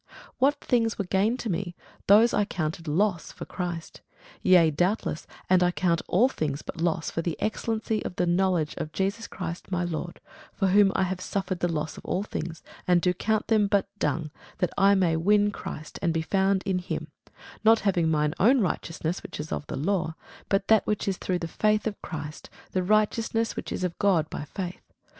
What things were gain to me, those I counted loss for Christ. Yea doubtless, and I count all things but loss for the excellency of the knowledge of Christ Jesus my Lord: for whom I have suffered the loss of all things, and do count them but dung, that I may win Christ, and be found in him, not having mine own righteousness, which is of the law, but that which is through the faith of Christ, the righteousness which is of God by faith.